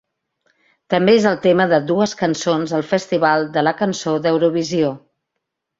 També és el tema de dues cançons al Festival de la Cançó d'Eurovisió.